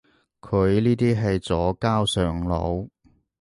佢呢啲係左膠上腦